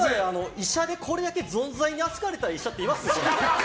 医者でこれだけぞんざいに扱われた人っています？